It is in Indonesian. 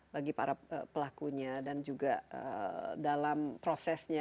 bagi para pelakunya dan juga dalam prosesnya